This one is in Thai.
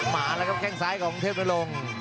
มาล่ะเก่งซ้ายของเทปไนรง